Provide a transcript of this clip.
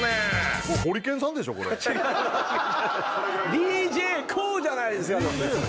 ＤＪＫＯＯじゃないですか！